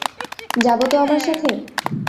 যাবো তো আমার সাথে?